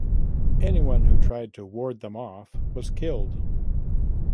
Anyone who tried to ward them off was killed.